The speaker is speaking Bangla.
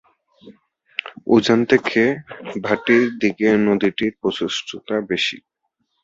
উজান থেকে ভাটির দিকে নদীটির প্রশস্ততা বেশি।